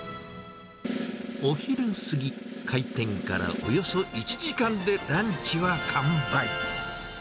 お昼過ぎ、開店からおよそ１時間で、ランチは完売。